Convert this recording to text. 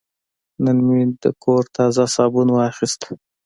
نن مې د کور تازه صابون واخیست.